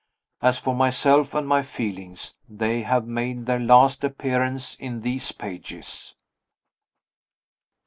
As for myself and my feelings, they have made their last appearance in these pages.